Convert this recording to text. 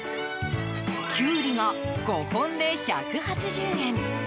キュウリが５本で１８０円